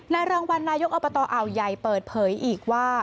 ในรางวัลนายกอัปตาเอาไยเปิดเผยอีกว่า